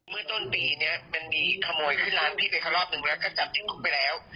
เมื่อต้นปีนี้มันนี้ขโมยขึ้นร้านพี่ไปครับรอบหนึ่งแล้วก็จับจิ้งลูกไปแล้ว